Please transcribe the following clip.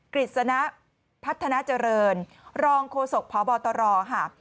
กริจสนับพัฒนาเจริญรองโคศกพบตรค่ะ